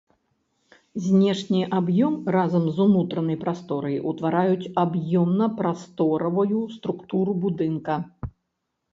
Знешні аб'ём разам з унутранай прасторай ўтвараюць аб'ёмна-прасторавую структуру будынка.